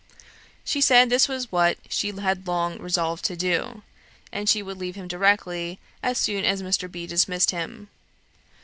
She said, this was what she had long resolved to do; and she would leave him directly, as soon as Mr. B. dismissed him.